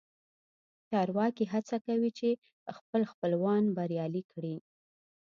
چارواکي هڅه کوي چې خپل خپلوان بریالي کړي